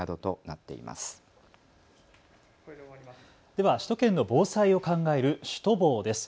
では首都圏の防災を考えるシュトボーです。